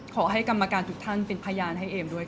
ขอให้กรรมการทุกท่านเป็นพยานให้เอมด้วยค่ะ